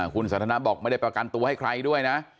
คุณสันทนาบอกไม่ได้ประกันตัวให้ใครด้วยนะ